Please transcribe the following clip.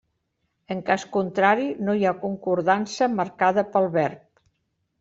En cas contrari, no hi ha concordança marcada pel verb.